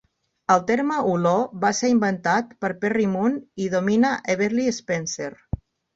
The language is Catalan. El terme "holor" va ser inventat per Parry Moon i Domina Eberle Spencer.